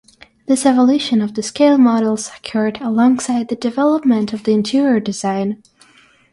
This evolution of the scale models occurred alongside the development of the interior design.